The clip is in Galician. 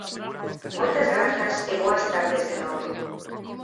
Moitas grazas e boas tardes de novo.